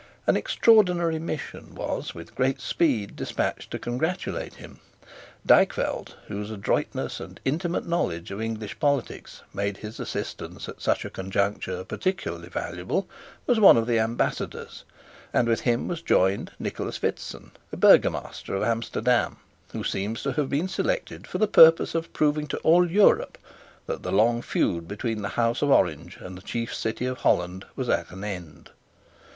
An extraordinary mission was, with great speed, despatched to congratulate him. Dykvelt, whose adroitness and intimate knowledge of English politics made his assistance, at such a conjuncture, peculiarly valuable, was one of the Ambassadors; and with him was joined Nicholas Witsen, a Burgomaster of Amsterdam, who seems to have been selected for the purpose of proving to all Europe that the long feud between the House of Orange and the chief city of Holland was at an end.